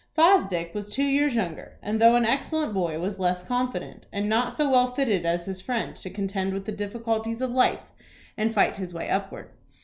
Fosdick was two years younger, and, though an excellent boy, was less confident, and not so well fitted as his friend to contend with the difficulties of life, and fight his way upward.